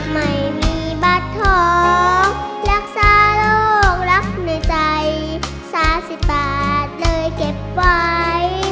ไม่มีบัตรทองและซารกรักในใจซาสิบปากเลยเก็บไว้